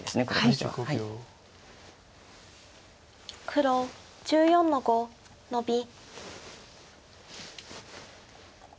黒１４の五ノビ。